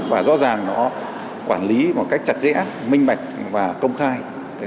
và rõ ràng nó quản lý một cách chặt rẽ minh mạch và công khai